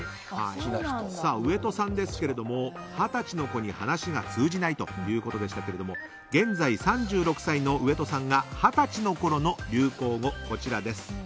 上戸さんですが二十歳の子に話が通じないということでしたが現在、３６歳の上戸さんが二十歳のころの流行語がこちら。